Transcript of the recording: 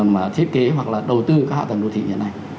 mà thiết kế hoặc là đầu tư các hạ tầng đô thị như thế này